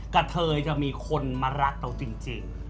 กับเธอก็จะมีคนมารักตัวจริง